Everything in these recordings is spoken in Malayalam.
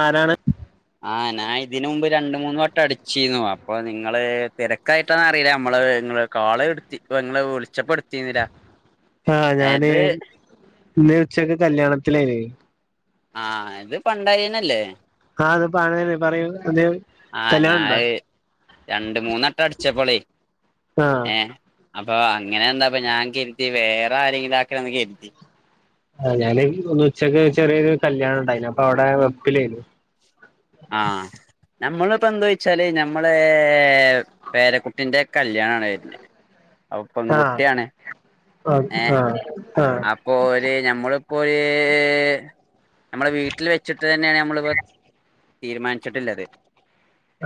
ആരാണ് ആ ഞാൻ ഇതിന് മുമ്പ് രണ്ട് മൂന്ന് വട്ടം അടിച്ചിരുന്നു അപ്പൊ നിങ്ങള് തിരക്കായിട്ടാന്ന് അറിയില്ല നമ്മള് കോള് എടുത്തി നിങ്ങള് വിളിച്ചപ്പ എടുത്തിരുന്നില്ല ആഹ ഞാന് ഇത് ഇന്ന് ഉച്ചക്ക് കല്യാണത്തില ആഹ ഇത് പണ്ടായിനല്ലേ ആഹ അത്പ്പോണതന്നെ പറയൂ അത ആഹ് കല്യാണ ഞാൻ ഇണ്ടോ രണ്ട് മൂന്നെട്ട അടിച്ചപ്പോളെ ആഹ അപ്പൊ അങ്ങനെ എന്താ അപ്പൊ ഞാൻ കരുത്തി വേറെ ആരെങ്കിലും ആക്ക ഒന്ന് കരുത്തി ആ ഞാൻ ഒന്ന് ഉച്ചക്ക് ചെറിയൊരു കല്യാണം ഉണ്ടായിന അപ്പൊ അവിടെ വെപ്പിലായിരുന്നു ആഹ് നമ്മളിപ്പോ എന്താ വെച്ചാല് ഞമ്മളെ പേരക്കുട്ടിറെ കല്യാണാണ് വെ അ ആഹ് പെൺകുട്ടിയാണ് ആഹ് ഏഹ ആഹ് ആഹ് നമ്മള വീട്ടിൽ വെച്ചിട്ട് തന്നെയാണ് നമ്മളിപ്പോ തീരുമാനിച്ചിട്ടില്ലത്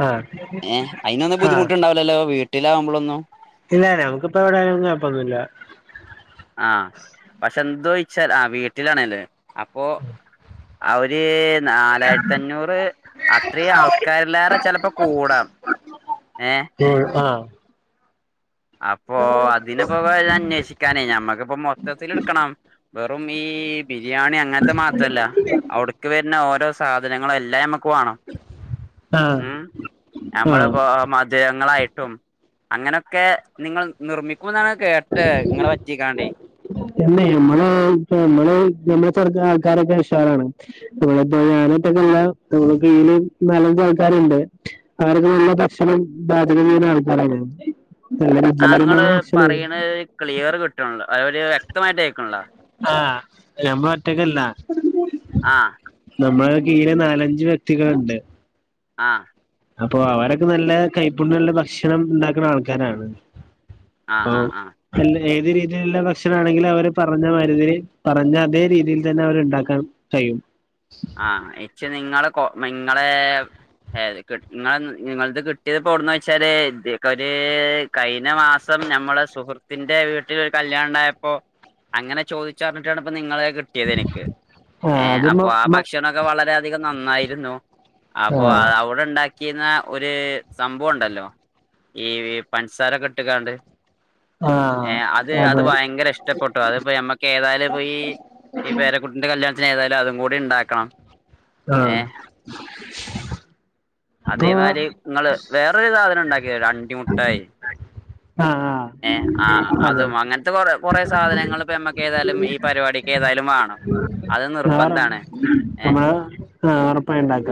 ആഹ് ഏ അയിന്ൊന്നും ആഹ് ബുദ്ധിമുട്ടുണ്ടാവലല്ലോ വീട്ട കിട്ടിലാവുമമ്മളൊന്നും ഇല്ല നമുക്കിപ്പ എവിടൊലപ്പൊന്നുമല്ല ന്തോദിച്ചാൽ ആ വീട്ടിലാണേല്ലേ അപ്പൊ അവര് നാലായിരത്തി അഞ്ഞൂറ് അത്രയും ആൾക്കാരില്ലാര ചിലപ്പോ കൂടാം ഏ ആഹ് അപ്പൊ അതിന്പ്പോ അന്വേഷിക്കാനേ ഞമ്മക്കിപ്പോ മൊത്തത്തിൽ എടുക്കണം വെറും ഈ ബിരിയാണി അങ്ങനത്തെ മാത്രല്ല അവിടക്ക് വരുന്ന ഓരോ സാധനങ്ങളും എല്ലാം വാണോ ആഹ് ഉ ആഹ് നമ്മളിപ്പോ മധുരങ്ങളായിട്ടും അങ്ങനെയൊക്കെ നിങ്ങൾ നിർമ്മിക്കുമ എന്നാണ് എ മ മ ആൾക്കാരൊക്കെ ഉഷാറാണ് നമ്മളപ്പോ ഞാനായിൊക്കെല്ല ന നല്ല ആൾക്ക ണ്ട് അവർക്ക നല്ല ഭക്ഷണം പാചകം ചെയ്യുന്ന ആൾക്കാര അ ജീവിന മ അങ്ങള് ആക്ഷ [unintelligible] പറയണത് ക്ലിയർ കിട്ടണല്ലോ അര് വ്യക്തമായിട്ട് അക്കണല്ലോ ആഹ ഞൻ പോ പറ്റക്കല്ല ആഹ നമ്മള കീയില നാലഞ്ച് വ്യക്തികളുണ്ട് ആഹ് അപ്പൊ അവരൊക്കെ നല്ല കൈപ്പുണ്ണിയള്ള നല്ല ഭക്ഷണം ഉണ്ടാക്കുന്ന ആൾക്കാരാണ് ആഹ അപ്പൊ ആഹ് ആഹ അല്ല ഏത് രീതിയിലുള്ള ഭക്ഷണ ആണെങ്കിലും അവര് പറഞ്ഞ മരുതിര് പറഞ്ഞ അതേ രീതിയിൽ തന്നെ അവര്ണ്ടാക്കാം ചെയും ആ ചച്ചി നിങ്ങള് കൊ നിങ്ങളെ അതതെട്ട നിങ്ങ നിങ്ങളത് കിട്ടിയത് പോട വെച്ചാല് ഇക്ക ഒരു കഴിഞ്ഞ മാസം നമ്മുടെ സുഹൃത്തിന്റെ വീട്ടിൽ ഒരു കല്യാണ ഉണ്ടായപ്പോ അങ്ങനെ ചോദിച്ച പറഞ്ഞിട്ടാണ് നിങ്ങള കിട്ടിയത് എനിക്ക് ആഹ് അത് മ അപ്പൊ മ ഭക്ഷണോക്കെ വളരെയധികം നന്നായിരുന്നു അപ്പോൊ ആഹ് അത്വിടെ ഉണ്ടാക്കി ചെയുന്ന ഒരു സംഭവം ഉണ്ടല്ലോ ഈ പഞ്സാരൊക്കെ ഇട്ടുകാണ്ട് ആഹ ഏ അത് അത് ഭയങ്കര ഇഷ്ടപ്പെട്ടു അത് മ്മക്ക് ഏതായാലും ഇ ഈ ഈ പേരക്കുട്ടിന്റെ കല്യാ അഏതായാലും അതും കൂടി ഉണ്ടാക്കണം ആഹ അതേമാതിരി നിങ്ങള്ൾ വേറൊരു സാധനം ഉണ്ടാക്കി അണ്ടിമുട്ടായി ആഹ ആ ഏ ആ അതും അങ്ങനത്തെ കൊ കൊറെേ സാധനങ്ങൾ ഇപ്പമ്മക്ക് ഏതായാലും ഈ പരിപാടിക്ക് ഏതായാലും വേണംോ [unintelligible] ഉറപ്പായുണ്ടാക്ക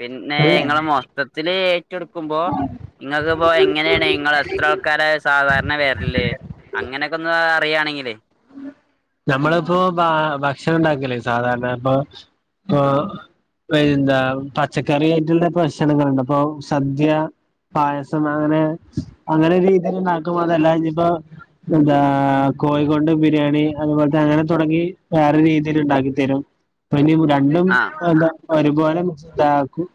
പിന്നെ ഇങ്ങൾ മൊത്തത്തില് ഏറ്റെടുക്കുമ്പോ ഇങ്ങൾക്കിപ്പോ എങ്ങനേണ് ഇങ്ങളെത്രാൾക്കാരാ സാധാരണ വര്ല് അങ്ങനക്കൊന്ന് [unintelligible] ണെങ്കില് നമ്മള്പ്പോ ഭ ഭക്ഷണണ്ടാക്കല് സാധാരണ പ്പോ പ്പൊ എന്താ പച്ചക്കറിയായിട്ട്ള്ള ഭക്ഷണങ്ങള്ണ്ട് ഇപ്പൊ സദ്യ പായസം അങ്ങനെ അങ്ങനെ രീതീലിണ്ടാക്കുമ്പോ അതെല്ലാഞ്ഞ്പ്പോ എന്താ കോഴി കൊണ്ട് ബിരിയാണി അതുപോൽത്തങ്ങനെ തൊടങ്ങി വേറെ രീതീലിണ്ടാക്കിത്തരും ഇപ്പനി രണ്ടും ആഹ് ത ഒരുപോലെ താക്കും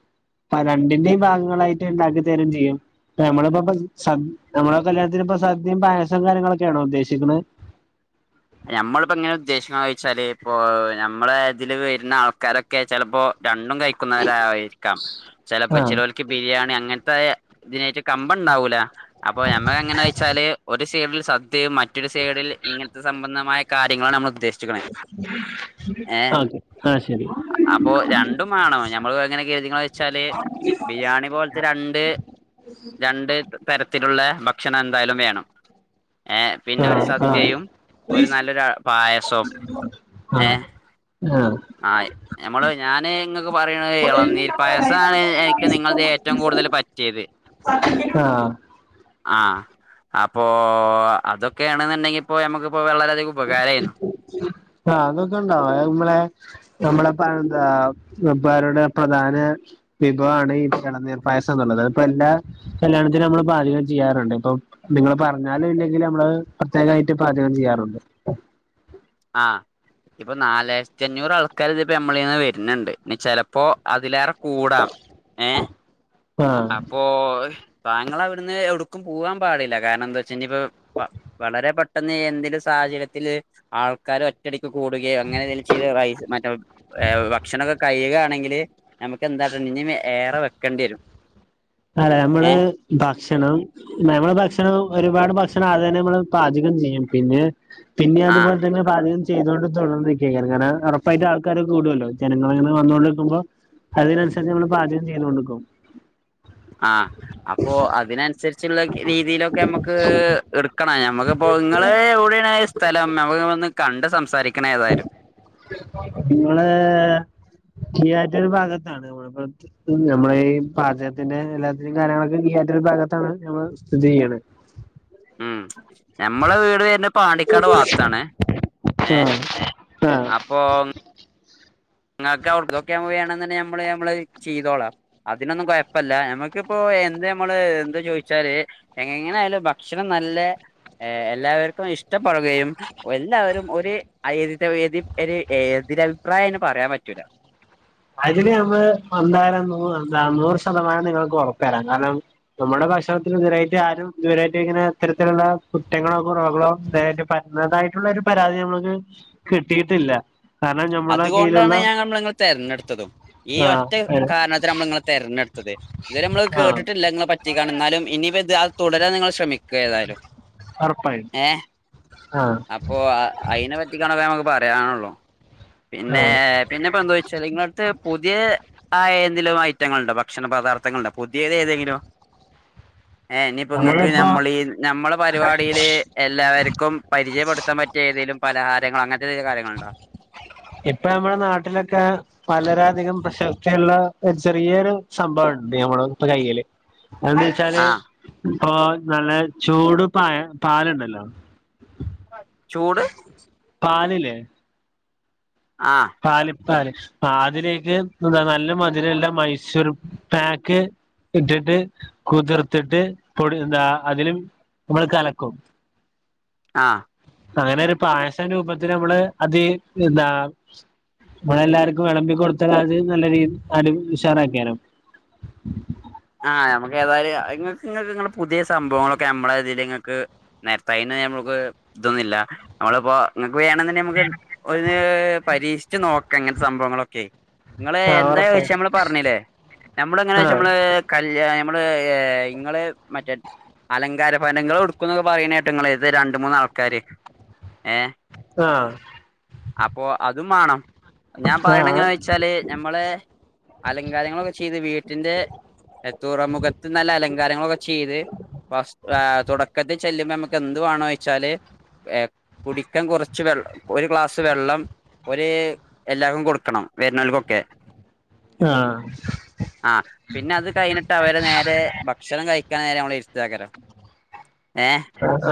അ രണ്ടിൻ്റിം ഭാഗങ്ങളായിട്ടിണ്ടാക്കിത്തരും ചെയ്യും. നമ്മള്പ്പോ പ്പ സ നമ്മളൊക്കെ കല്യാണത്തിനിപ്പൊ സദ്യം പായസും കാര്യങ്ങളൊക്കേണോ ഉദ്ദേശിക്കുന്നത്? ഞമ്മള്പ്പൊങ്ങനെ ഉദ്ദേശിക്ക്ണ്ന്നോയ്ച്ചാല് ഇപ്പോ നമ്മളെ ഇതില് വര്ണ ആൾക്കാരൊക്കെ ചെലപ്പോ രണ്ടും കഴിക്കുന്നവരായിരിക്കാം ചെലപ്പൊ ആഹ് ചെലോൽക്ക് ബിരിയാണി അങ്ങൻത്തെ ഇതിനേറ്റ് കമ്പണ്ടാവൂല അപ്പൊ ഞമ്മക്കെങ്ങനേ ചൊയ്ച്ചാല് ഒരു സൈഡില് സദ്യയും മ മറ്റൊരു സൈഡില് ഇങ്ങ തമായ കാര്യങ്ങളാണ് നമ്മള് അ അശ് അപ്പൊ രണ്ടും മാണം ഞമ്മള്ങ്ങനെ കരുതീക്കണ്ച്ചാല് ആ ബിരിയാണി പോൽത്തെ രണ്ട് രണ്ട് തരത്തിലുള്ള ഭക്ഷണം എന്തായാലും വേണം ഏ പിന്നെ ആ ഒരു ആ സദ്യയും. ഒരു നല്ലൊരു അ പായസും ആ ഏ ആ ഞമ്മള് ഞാന് ഇങ്ങക്ക് പറയ്ണെ എളനീർ പായസാണ് എനിക്ക് നിങ്ങളെതീ ഏറ്റവും റ്റവും കൂടുതല് പറ്റിയത്. ആ ആ അപ്പോ അതൊക്കെയാണ് ന്ന്ണ്ടെങ്കിപ്പോ നമ്മക്ക് ആ അതൊക്കെണ്ടാവും അത് നമ്മളെ നമ്മളെപ്പൊ ന്താ വെപ്പാരുടെ പ്രധാന വിഭവാണീ എളനീർ പായസംന്ന്ള്ളത് അത്പ്പൊ എല്ലാ കല്യാണത്തിനും നമ്മൾ പാചകം ചെയ്യാറുണ്ട് ഇപ്പൊ നിങ്ങള് പറഞ്ഞാലും ഇല്ലെങ്കിലും നമ്മളത് പച്ച കായിട്ട് പാചകം ചെയ്യാറുണ്ട്. ആ ഇപ്പൊ നാലായിരത്തി അഞ്ഞൂറ് ആൾക്കാരിത്‌പ്പൊ നമ്മളീന്ന് വര്ന്ന്ണ്ട് ഇനി ചെലപ്പോ അതിലേറെ കൂടാം ഏ ആഹ് അപ്പോ താങ്കളവ്ട്ന്ന് എടുക്കും പോവാൻ പാടില്ല കാരണെന്താവെച്ച ഇനിപ്പൊ വളരെ പെട്ടെന്ന് എന്തേലും സാ സഹചര്യത്തില് ആൾക്കാര് ഒറ്റടി ക്ക് കൂടുകയോ അങ്ങനെന്തേലും ചെയ്ത് റൈ മറ്റെ ഭക്ഷണൊക്കെ കഴിയുകാണെങ്കില് നമുക്കെന്താട്ടണ്ടി ഇനി ഏറെ വെക്കണ്ടിരും അതെ നമ്മള് ഭക്ഷണം നമ്മളെ ഭക്ഷണം ഒരുപാട് ഭക്ഷണം അദ്യന്നെ നമ്മള് പാചകം ചെയ്യും പിന്നെ പിന്നിം ആഹ് അതുപോലെത്തന്നെ പാചകം ചെയ്തോണ്ട് തുടർന്നിര്ക്കയ്‌കാരം കാരണം ഒറപ്പായിട്ടും ആൾക്കാര് കൂടു വല്ലോ ജനങ്ങള്ങ്ങനെ വന്നോണ്ടിക്കുമ്പോ അതിനനുസരിച്ച് നമ്മള് പാചകം ചെയ്തോണ്ട്ക്കും ആ അപ്പോ അതിനൻസര്ച്ച്ള്ള രീതീലൊക്കെ ഞമ്മക്ക് എടുക്കണ ഞാ മ്മക്ക്പ്പോ ഇങ്ങള് എവ്ടേണ് സ്ഥലം? നമ്മക്ക്ങ്ങളൊന്ന് കണ്ട് സംസാരി നിങ്ങള് കീയാറ്റൂര് ഭാഗത്താണ് ഇവടെപ്പൊ നമ്മളീ പാചകത്തിൻ്റെ എല്ലാത്തിനിം കാര്യങ്ങളൊക്കെ കീയാ റ്റൂര് ഭാഗത്താണ് നമ്മള് സ്ഥിതി ചെയ്യ്ണെ. ഉം ഞമ്മളെ വീട് വര്ണെ പാണ്ടിക്കാട് ഭാഗത്താണ് ഏ ആഹ് ആഹ് അപ്പൊ ഇങ്ങക്ക് അവ്ട്കൊക്കെ മ്മൾ ചെയ്യണംന്ന്ണ്ടെ നമ്മള് നമ്മള് ചെയ്തോളാം അതിനൊന്നും കൊയ്പ്പല്ല ഞമ്മക്കിപ്പോ എന്താമ്മള് എന്താ ചോയ്ച്ചാല് എങ്ങനായാലും ഭക്ഷണം നല്ല എല്ലാവർക്കും ഇഷ്ട പറകുകയും എല്ലാവരും [unintelligible] അഭിപ്രായം പറയാൻ പറ്റൂല അതില് നമ്മള് അന്താലം നോ നൂറ് ശതമാനം നിങ്ങൾക്ക് ഉറപ്പ് തരാം കാരണം നമ്മുടെ ഭക്ഷണത്തിൽ ദരായിട്ട് ആരും ദൂരായിട്ട് ഇങ്ങനെ ഇരത്തിലുള്ള കുറ്റങ്ങളോ കുറവകളോ [unintelligible] പറഞ്ഞതായിട്ടുള്ള ഒരു പരാതി നമ്മുക്ക് കിട്ടിയിട്ടില്ല കാരണം ഞമ്മളുടെ കീഴിലുള്ള അതുകൊണ്ടാണ് ഞാൻ [unintelligible] െരഞ്ഞെടുത്തും ഈ ആഹ് ഒറ്റ കാരണത്തിൽ നമ്മൾ ഇങ്ങൾ തെരഞ്ഞെടുത്തത് ഇതി നമ്മള് ആഹ് കേട്ടിട്ടില്ലെ പറ്റി എന്നാലും ഇനി അത് തുടരാൻ നിങ്ങൾ ശ്രമിക്കും തായാല ഉറപ്പായും ഏഹ് ആഹ് അപ്പോ അതിനെ പറ്റി കാണക്കമക്ക് പറ ണല്ലോ പിന്നെ ആഹ് പിന്നെപ്പോ എന്താച്ചാൽ നിങ്ങളടുത്ത് പുതിയ ആ [inaudible] ഐറ്റങ്ങളൾ ഉണ്ടോ ഭക്ഷണ പദാർഥങ്ങളുണ്ടോ പുതിയത് ഏതെങ്കിലും. ഏ ഇനിയിപ്പോ ഇങ്ങക്ക് നമ്മളിപ്പോ നമ്മളീ നമ്മളെ പരിപാടിൽ എല്ലാവർക്കും പരിചയപ്പെടുത്താൻ പറ്റിയ ഏതെലുംലഹാരങ്ങ അങ്ങനത്തെന്തില കയങ്ങളൾ ഉണ്ടോ ഇപ്പൊ നമ്മുടെ നാട്ടിലൊക്കെ വളരധികം പ്രശ്ന ക്കെള്ള ഒരു ചെറിയരു സംഭവംണ്ട് നമ്മള് ഇപ്പ കയ്യില് അത് എന്തച്ചാല് ആഹ് ഇപ്പൊ നല്ല ചൂട് പായ പാലുണ്ടല്ലോ ചൂട് പാലില്ലേ ആഹ് പല് ആ ലെ അതിലേക്ക് എന്താ നല്ല മധുരംല്ല മൈസൂർ പാക്ക് ഇട്ടിട്ട് കുതിർത്തിട്ട് പൊടി എന്താ അതിലും മ്മൾ കലക്കും ആഹ് അങ്ങനെ ഒരു പായസ രൂപത്തിൽ നമ്മള് അത് എന്താ നമ്മള എല്ലാർക്കും വിളമ്പി കൊടുത്തൽ അത് നല്ല രീതി അടി ഉഷാറാക്കിയരുന്നു. [inaudible] ആഹ് നമുക്ക് ഏതായാലുംങ്ങക്ക്ങ്ങള് പുതിയ സംഭവങ്ങളൊക്കെ നമ്മള ഇതിൽങ്ങക്ക് നെര്ത്താ അയ്‌ന് നമ്മൾക്ക് ഇതൊന്നുല്ല നമ്മളിപ്പോ വേണംന്നുണ്ടെങ്കി നമുക്ക് ഒര് പരീക്ഷിച്ച് നോക്കാം ങ്ങനത്തെ സംഭവങ്ങളൊക്കെ നിങ്ങള് ആഹ് എന്താ ഉറപ്പാ ചോച്ച നമ്മള് പറഞ്ഞല്ലേ നമ്മള എങ്ങനാെ ആഹ് നമ്മള്- കല്യാ നമ്മള് ഇങ്ങള് മറ്റേ അലങ്കാര പനങ്ങൾ എടുക്കും എന്നൊക്കെ പറയുന്ന കേട്ട് നിങ്ങള ഇത് രണ്ട മൂന്നാൾക്കാാര് ഏ ആഹ് പ്പൊ അതും മാണം ഞാൻ പറയണ ആഹ് എങ്ങന്ന് വെച്ചാല് നഞമ്മള അലങ്കാരങ്ങളൊക്കെ ചെയ്ത് വീട്ടിന്റെ തുറമുഖത്ത് നല്ല അലങ്കാരങ്ങളൊക്കെ ചെയ്ത് ഫസ് തുടക്കത്തിൽ നമക്ക് എന്ത്‌ വാണോച്ചാല് ഏഹ് കുടിക്കാൻ കുറച്ച് വെ ഒരു ഗ്ലാസ് വെള്ളം. ഒരു എല്ലാക്കും കൊടുക്കണം വെര് നോല്ക്കൊക്കെ ആഹ് പിന്നെ അത് കഴിഞ്ഞിട്ട് അവരെ നേരെ ഭക്ഷണം കഴിക്കാൻ നേരെ നമ്മള് ഇരുതാകാരം ഏ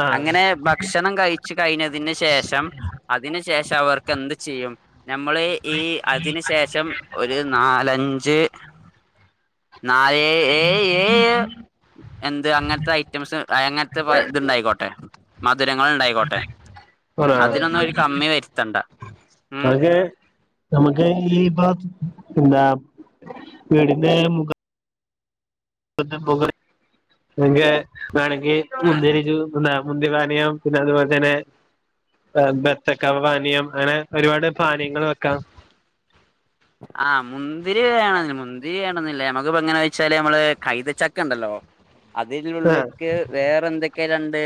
ആഹ് അങ്ങനെ ഭക്ഷണം കഴിച്ചു കഴിഞ്ഞതിന് ശേഷം അതിനന് ശേഷം അവർക്ക് എന്ത് ചെയ്യും നമ്മള് ഈ അതിന് ശേഷം ഒരു നാലഞ്ച് നായ ഏ ഏഏഴ് എന്ത് അങ്ങനത്തെ ഐറ്റംസ് അങ്ങനത്തെ ഇത്ണ്ടായിക്കോട്ടെ മധുരങ്ങ ഉണ്ടായിക്കോട്ടെ ആഹ് അതിനൊന്നും ഒരു കമ്മി വരുത്തണ്ട ഉം [unintelligible] എന്താ വീടിന്റെ മുഖം [unintelligible] പിന്നെ വേണെങ്കി മുന്തിരിജു മുന്തി പാനീയം പിന്നെ അതുപോലെ തന്നെ ർ ബത്തക്ക പാനീയം അങ്ങനെ ഒരുപാട് പാനീയങ്ങൾ വെക്കാം വന്നില്ലേ നമുക്കിപ്പോ എങ്ങനെ വെച്ചാല് നമ്മള് കൈതച്ചക്ക ഇണ്ടല്ലോ? അതിലുള്ളിക്ക് വേറെന്തെ ക്കെ രണ്ട്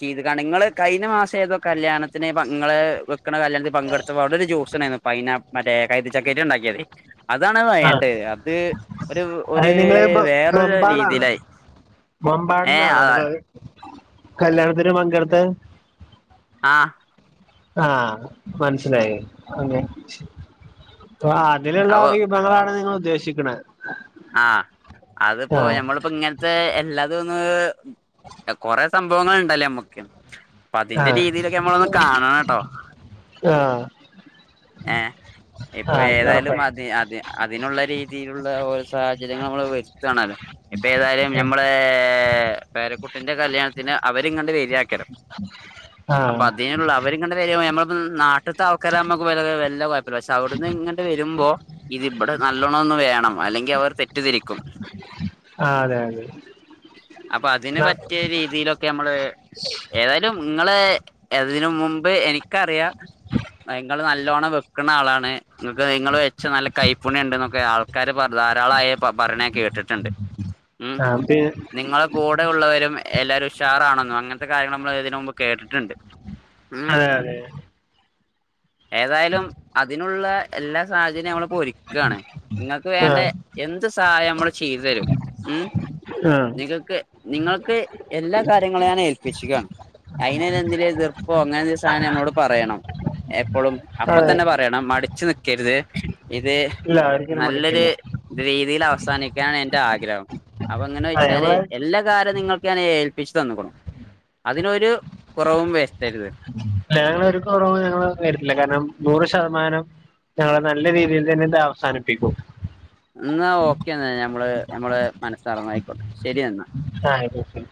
ചെയ്ത്ക്കാണ്ട് ഇങ്ങള് കയ്ഞ്ഞ മാസം ഏതോ കല്യാണത്തിന് ഇങ്ങള് ക്ക്‌ണ കല്യാണത്തിൽ പങ്കെടുത്തപ്പോ അവിടെ ഒരു ജ്യൂട്സ്ണ്ടായിന്നു പൈനാ മറ്റേ കൈതചക്കേട്ട് ഇണ്ടാക്ക്യേത്. അതാണ് ആഹ് വയേണ്ടത് അത് ഒരു അത് ഒരു നിങ്ങള് മ വേറൊരു മമ്പാടാണോ രീതിയിലായി. ഏ മമ്പാട്ന്നാണോ നിങ്ങൾ കല്യാണത്തിന് പങ്കടുത്ത? ആഹ്. ആഹ് മനസിലായി അങ്ങെ ഓ ആ അതില്ള്ള അവോ വിഭവങ്ങളാണ് നിങ്ങള് ഉദ്ദേശിക്കണത്. ആഹ് അതിപ്പൊ ഞമ്മളിപ്പോ ഇങ്ങനത്തെ എല്ലാതും ഒന്ന് കൊറെ സംഭവങ്ങൾ ഇണ്ടല്ലോ ഞമ്മക്ക് അപ്പൊ അതിന്റെ ആഹ് രീതിയിലൊക്കെ നമ്മളൊന്ന് കാണണംട്ടോ. ആഹ് ഏ ഇപ്പൊ ആഹ് ഏതായാലും ഒറപ്പായി അതെ അതെ അതിനുള്ള രീതിയിലുള്ള ഓരോ സാഹചര്യങ്ങള് നമ്മള് വര്ത്താണല്ലോ ഇപ്പ ഏതായാലും ഞമ്മളെ ഏ പേരക്കുട്ടിന്റെ കല്യാണത്തിന് അവരിങ്ങണ്ട് വര്യാ ക്കരം അപ്പൊ ആഹ് അതിനുള്ള അവരിങ്ങട്ട് വരുമ്പോ ഞമ്മള് ഉം നാട്ടിത്തെ ആൾക്കാരമ്മക്ക് വെലവെ വല്ല കൊഴപ്പല്ല പക്ഷെ അവിടുന്ന് ഇങ്ങട്ട് വരുമ്പോ ഇതിബടെ നല്ലോണം ഒന്ന് വേണം അല്ലെങ്കിൽ അവർ തെറ്റിധരിക്കും. ആഹ് അതെ അതെ. അപ്പൊ അതിന് പറ്റിയ രീതിയിലൊക്കെ നമ്മള് ഏതായ് ലും ഇങ്ങള് അതിന് മുമ്പ് എനിക്കറിയാ ഇങ്ങള് നല്ല ല്ലോണം വെക്ക്‌ണ ആളാണ് ഇങ്ങക്ക് ഇങ്ങള് വെച്ചാ നല്ല കൈപ്പുണ്യംണ്ട്ന്നൊക്കെ ആൾക്കാര് പറഞ്ഞ് ധാരാളായി പ പറണ ഞാൻ കേട്ടിട്ട്ണ്ട് ഉം ആഹ് പി നിങ്ങളെ കൂടെ ഉള്ളവരും എല്ലാരും ഉഷാറാണെന്നൊ അങ്ങനത്തെ കാര്യങ്ങൾ നമ്മള് ഇതിന് മുമ്പ് കേട്ടിട്ടുണ്ട്. ഉം അതെ അതെ. ഏതായാലും അതിനുള്ള എല്ലാ സാഹചര്യവും നമ്മളിപ്പൊ ഒരുക്കാണ്. ഇങ്ങ ആഹ് വേണ്ടെ എന്ത് സഹായംമ്മള് ചീതു തരും. ഉം ആഹ് നിങ്ങൾക്ക് നിങ്ങൾക്ക് എല്ലാ കാര്യങ്ങളും ഞാനേൽപ്പിച്ച്ക്കാണ്. അയിന് തെന്തിനേതിർപ്പോ അങ്ങനെ എന്തേലും സാധനം നമ്മളോട് പറയണം. ഏ പ്പളും അപ്പൊ അതെ തന്നെ പറയണം. മടിച്ചു നിക്കരുതേ ഇത് ഇല്ല ഒരിക്കലും നല്ലൊ ര് മടുക്കില്ല രീതിയിൽ അവസാനിക്കാനാ എന്റെ ആഗ്രഹം അപ്പൊങ്ങനെ ആ വെച്ചാല് ഞങ്ങള് എല്ലാ കാര്യോം നിങ്ങൾ ക്കാനേൽപ്പിച്ച് തന്ന്ക്കുണു. അതിനൊരു കുറവും വരുത്തരുത് ഞങ്ങളൊരു കുറവും ഞങ്ങള് വരില്ല. കാരണം നൂറ് ശതമാനം ഞങ്ങള് നല്ല രീതിയിൽ തന്നെ ഇത് അവസാനിപ്പിക്കും. എന്നാ ഓക്കെന്നാ ഞമ്മള് ഞമ്മള് മനസ്സറഞ്ഞായിക്കോട്ടെ ശരി എന്നാ. ആ